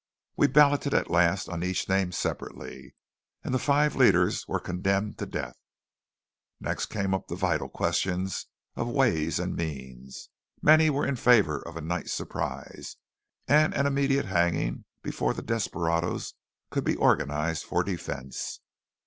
We balloted at last on each name separately, and the five leaders were condemned to death. Next came up the vital questions of ways and means. Many were in favour of a night surprise, and an immediate hanging before the desperadoes could be organized for defence.